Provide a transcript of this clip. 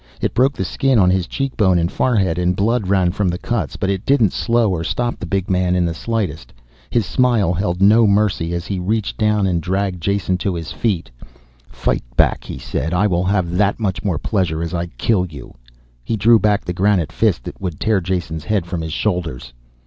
It broke the skin on his cheekbone and forehead and blood ran from the cuts. But it didn't slow or stop the big man in the slightest. His smile held no mercy as he reached down and dragged Jason to his feet. "Fight back," he said, "I will have that much more pleasure as I kill you." He drew back the granite fist that would tear Jason's head from his shoulders.